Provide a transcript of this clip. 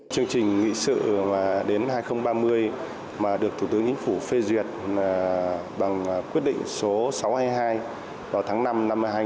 chương trình nghị sự đến hai nghìn ba mươi mà được thủ tướng chính phủ phê duyệt bằng quyết định số sáu trăm hai mươi hai vào tháng năm năm hai nghìn hai mươi